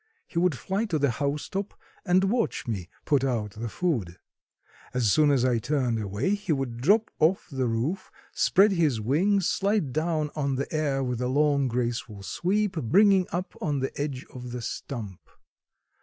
He would fly to the house top and watch me put out the food. As soon as I turned away he would drop off the roof, spread his wings, slide down on the air with a long graceful sweep, bringing up on the edge of the stump.